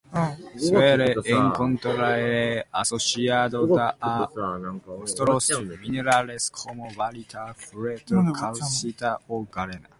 Suele encontrarse asociado a otros minerales como: barita, fluorita, calcita o galena.